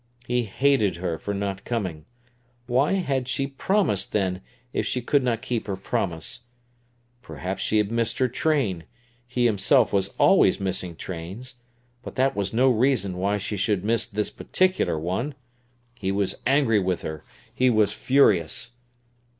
He hated her for not coming. Why had she promised, then, if she could not keep her promise? Perhaps she had missed her train—he himself was always missing trains—but that was no reason why she should miss this particular one. He was angry with her; he was furious.